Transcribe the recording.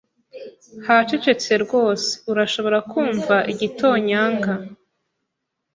Hacecetse rwose. Urashobora kumva igitonyanga.